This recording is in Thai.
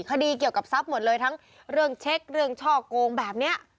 คดีเกี่ยวกับทรัพย์หมดเลยทั้งเรื่องเช็คเรื่องช่อโกงแบบนี้